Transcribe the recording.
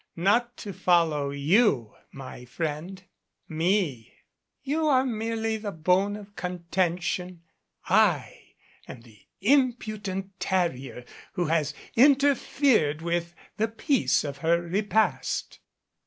Not to follow you, my friend. Me. You are merely the bone of contention. I am the impudent terrier who has interfered with the peace of her repast."